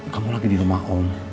kamu lagi di rumah om